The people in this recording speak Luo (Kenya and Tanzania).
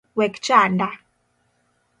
Wek chanda